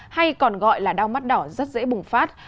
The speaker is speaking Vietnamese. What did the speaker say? hay còn gọi là đau mắt đỏ rất dễ bùng phát